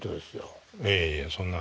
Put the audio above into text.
いやいやそんな。